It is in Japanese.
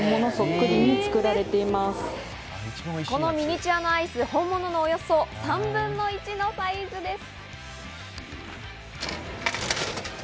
このミニチュアのアイス、本物のおよそ３分の１のサイズです。